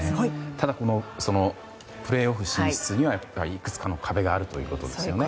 ただ、プレーオフ進出にはいくつかの壁があるということですよね。